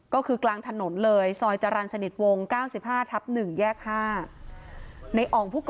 ก็คือกลางถนนเลยซอยจรรย์สนิทวง๙๕ทับ๑แยก๕